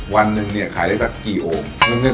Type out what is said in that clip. วันหนึ่งเนี่ยขายได้สักกี่โอ่ง